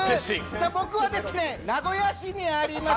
僕はですね、名古屋市にあります